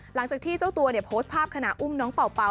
หลังจากที่เจ้าตัวโพสต์ภาพขณะอุ้มน้องเป่าเป่า